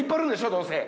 どうせ。